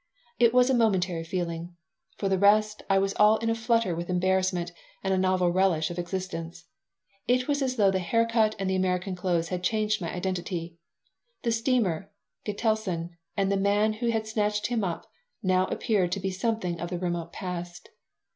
It was a momentary feeling. For the rest, I was all in a flutter with embarrassment and a novel relish of existence. It was as though the hair cut and the American clothes had changed my identity. The steamer, Gitelson, and the man who had snatched him up now appeared to be something of the remote past.